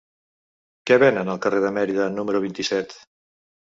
Què venen al carrer de Mérida número vint-i-set?